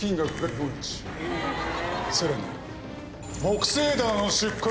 さらに。